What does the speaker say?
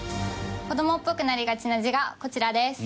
子どもっぽくなりがちな字がこちらです。